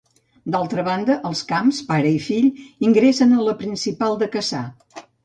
I d'altra banda, els Camps, pare i fill, ingressen a La Principal de Cassà.